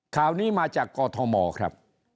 ข่าวนี้มาจากกอทมครับ